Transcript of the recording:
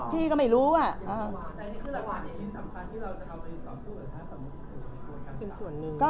พี่ก็ไม่รู้อะ